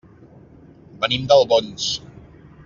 Venim d'Albons.